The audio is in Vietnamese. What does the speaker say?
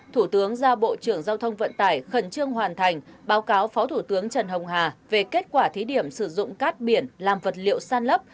thủ tướng ra bộ trưởng giao thông vận tải khẩn trương hoàn thành báo cáo phó thủ tướng trần hồng hà về kết quả thí điểm sử dụng cát biển làm vật liệu san lấp